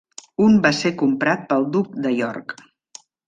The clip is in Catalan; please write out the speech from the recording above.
Un va ser comprat pel Duc de York.